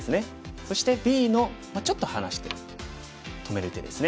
そしてＢのちょっと離して止める手ですね。